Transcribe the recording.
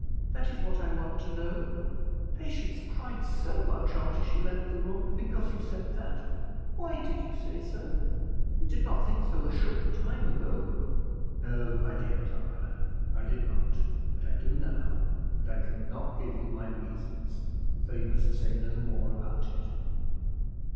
That is what I want to know. Patience cried so much after she left the room because you said that. Why did you say so? You did not think so a short time ago." "No, my dear Clara, I did not, but I do now, and I can not give you my reasons; so you must say no more about it."